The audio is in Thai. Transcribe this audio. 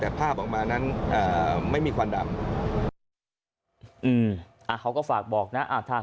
แต่ภาพออกมานั้นอ่าไม่มีควันดำอืมอ่าเขาก็ฝากบอกนะอ่าถ้า